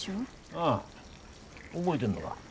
ああ覚えでんのが。